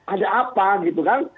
ada apa gitu kan